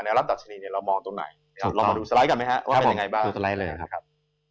แนวรับตัดชนิดเรามองตรงไหนเรามาดูสไลด์กันไหมครับ